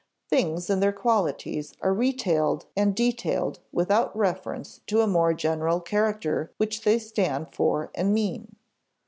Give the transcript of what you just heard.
Things and their qualities are retailed and detailed, without reference to a more general character which they stand for and mean.